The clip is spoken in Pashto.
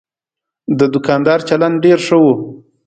د دوکاندار چلند ډېر ښه و.